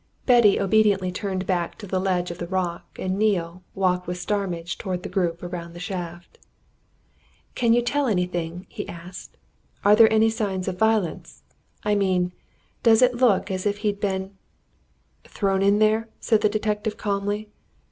Betty obediently turned back to the ledge of rock, and Neale walked with Starmidge towards the group around the shaft. "Can you tell anything?" he asked. "Are there any signs of violence? I mean, does it look as if he'd been " "Thrown in there?" said the detective calmly.